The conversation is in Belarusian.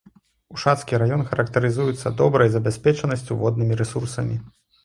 Ушацкі раён характарызуецца добрай забяспечанасцю воднымі рэсурсамі.